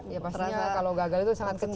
ya pastinya kalau gagal itu sangat senang ya